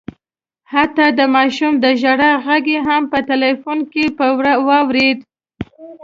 حتی د ماشوم د ژړا غږ یې هم په ټلیفون کي په واورېد